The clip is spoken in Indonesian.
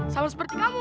sama seperti kamu